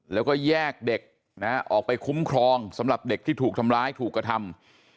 แล้วก็แยกเด็กออกไปคุ้มครองสำหรับเด็กที่ถูกทำร้ายถูกกระทำ